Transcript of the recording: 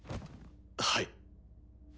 はい。